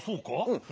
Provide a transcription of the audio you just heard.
うん。